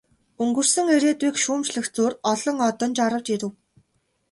Өнгөрсөн ирээдүйг шүүмжлэх зуур олон одон жарав, жирэв.